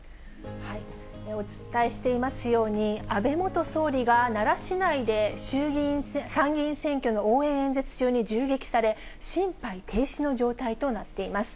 お伝えしていますように、安倍元総理が奈良市内で参議院選挙の応援演説中に銃撃され、心肺停止の状態となっています。